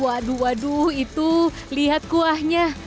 waduh waduh itu lihat kuahnya